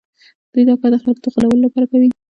دوی دا کار د خلکو د غولولو لپاره کوي